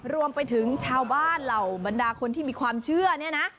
รวมไปถึงชาวบ้านเหล่าบรรดาคนที่มีความเชื่อเนี่ยนะ